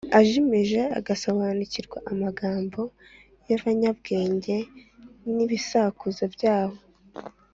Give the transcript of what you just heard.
Ajimije agasobanukirwa amagambo y abanyabwenge n ibisakuzo byabo